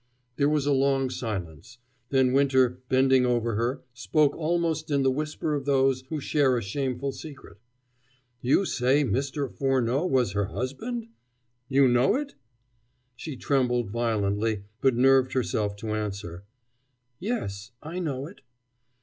There was a long silence. Then Winter, bending over her, spoke almost in the whisper of those who share a shameful secret. "You say that Mr. Furneaux was her husband? You know it?" She trembled violently, but nerved herself to answer: "Yes, I know it."